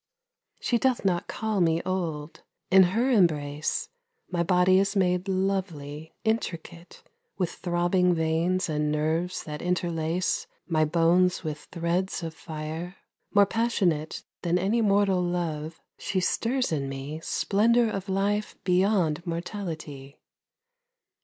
She doth not call me old ; in her embrace My body is made lovely, intricate With throbbing veins and nerves that interlace My bones with threads of fire ; more passionate Then any mortal love, she stirs in me Splendour of life beyond mortality.